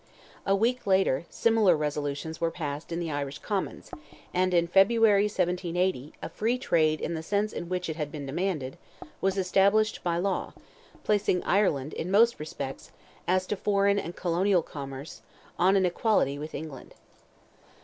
A week later, similar resolutions were passed in the Irish Commons, and in February, 1780, "a free trade" in the sense in which it had been demanded, was established by law, placing Ireland in most respects, as to foreign and colonial commerce, on an equality with England.